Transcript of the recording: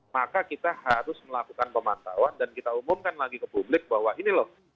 maka kita harus melakukan pemantauan dan kita umumkan lagi ke publik bahwa ini loh